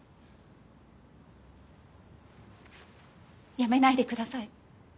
辞めないでください。